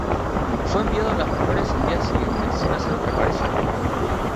Fue enviado a las menores al día siguiente, sin hacer otra aparición.